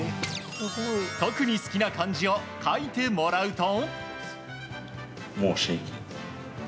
特に好きな漢字を書いてもらうと。